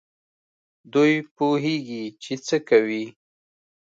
دوی پوهېږي چي څه کوي.